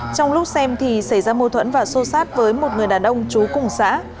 trong lúc xem thì xảy ra mô thuẫn và xô xát với một người đàn ông trú cùng xã